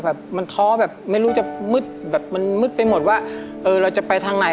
แบบมันท้อแบบไม่รู้จะมืดแบบมันมืดไปหมดว่าเออเราจะไปทางไหน